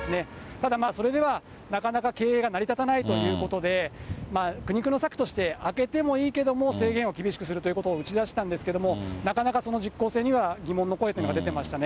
ただそれではなかなか経営が成り立たないということで、苦肉の策として、開けてもいいけども、制限を厳しくするということを打ち出したんですけれども、なかなかその実効性には疑問の声とというのが出てましたね。